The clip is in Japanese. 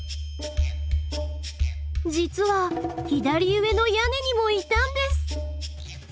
実は左上の屋根にもいたんです！